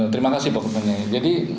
terima kasih pak kepenang jadi